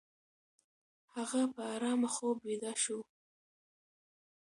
هغه په آرامه خوب ویده شو.